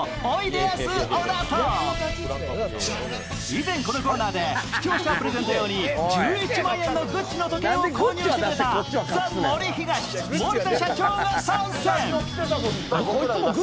以前、このコーナーで視聴者プレゼントに１１万円のグッチの時計を購入したザ・森東、森田社長が参戦。